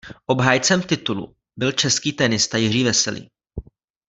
Obhájcem titulu byl český tenista Jiří Veselý.